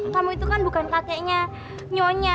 kamu itu kan bukan kakeknya nyonya